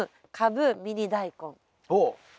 おお。